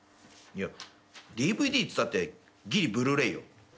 いやＤＶＤっつったってギリブルーレイよ。